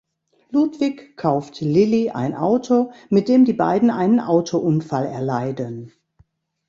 Ludwig kauft Lilli ein Auto, mit dem die beiden einen Autounfall erleiden.